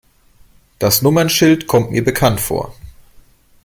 Das Nummernschild kommt mir bekannt vor.